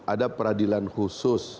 ada peradilan khusus